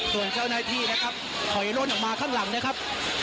ส่วนเจ้าหน้าที่นะครับถอยล่นออกมาข้างหลังนะครับ